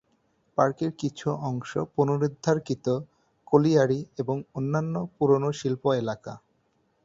পার্কের কিছু অংশ পুনরুদ্ধারকৃত কোলিয়ারি এবং অন্যান্য পুরানো শিল্প এলাকা।